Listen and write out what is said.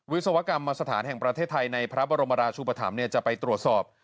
ศวกรรมสถานแห่งประเทศไทยในพระบรมราชุปธรรมจะไปตรวจสอบ